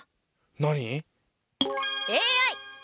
何？